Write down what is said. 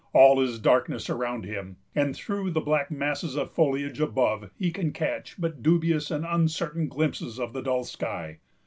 All is darkness around him, and through the black masses of foliage above he can catch but dubious and uncertain glimpses of the dull sky.